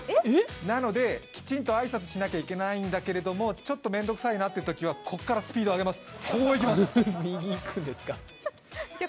なのできちんと挨拶しなきゃいけないんだけれどもちょっと面倒くさいなというときはここからスピードを上げます、こう行きます。